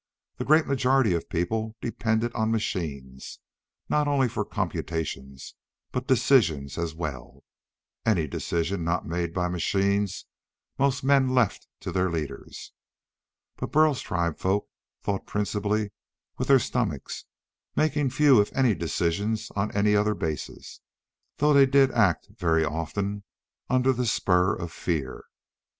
The great majority of people depended on machines not only for computations but decisions as well. Any decisions not made by machines most men left to their leaders. Burl's tribesfolk thought principally with their stomachs, making few if any decisions on any other basis though they did act, very often, under the spur of fear.